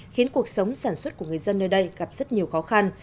khiến cuộc sống sản xuất của người dân nơi đây gặp rất nhiều khó khăn